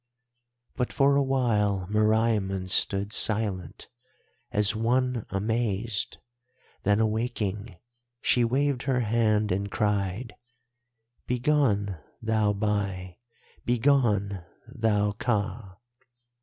"But for a while Meriamun stood silent, as one amazed. Then, awaking, she waved her hand and cried, 'Begone, thou Bai! Begone, thou Ka!